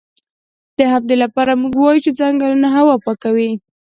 د همدې لپاره موږ وایو چې ځنګلونه هوا پاکوي